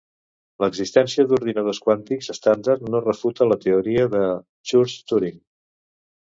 L'existència d'ordinadors quàntics estàndard no refuta la teoria de Church-Turing.